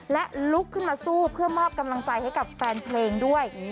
และลุกขึ้นมาสู้เพื่อมอบกำลังใจให้กับแฟนเพลงด้วย